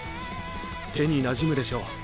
手になじむでしょう？